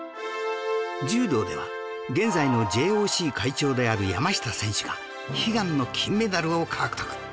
柔道では現在の ＪＯＣ 会長である山下選手が悲願の金メダルを獲得